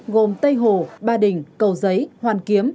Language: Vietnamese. gồm tây hồ ba đình cầu giấy hoàn kiếm